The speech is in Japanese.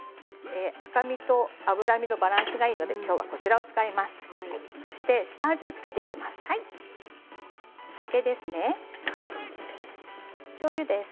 赤身と脂身のバランスがいいのできょうはこちらを使います。